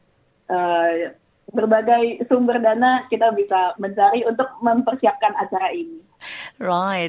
jadi berbagai sumber dana kita bisa mencari untuk mempersiapkan acara ini